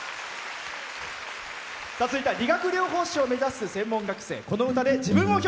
続いては理学療法士を目指す専門学生。